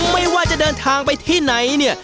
ไม่ว่าจะเดินทางไปที่ไหนเนี่ย